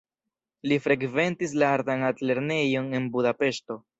Li frekventis la artan altlernejon en Budapeŝto.